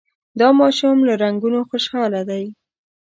دا ماشوم له رنګونو خوشحاله دی.